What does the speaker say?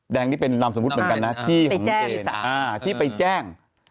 แดงที่เป็นนำสมมุติเหมือนกันนะที่ไปแจ้ง